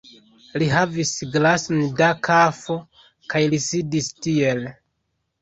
Li havis glason da kafo, kaj li sidis tiel: